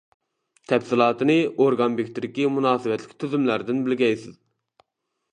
تەپسىلاتىنى ئورگان بېكىتىدىكى مۇناسىۋەتلىك تۈزۈملەردىن بىلگەيسىز.